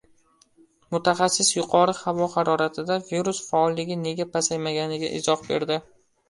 Mutaxassis yuqori havo haroratida virus faolligi nega pasaymaganiga izoh berdi